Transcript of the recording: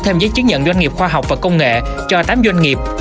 thêm giấy chứng nhận doanh nghiệp khoa học và công nghệ cho tám doanh nghiệp